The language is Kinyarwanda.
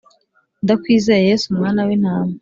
Ndakwizeye yesu mwana w’intama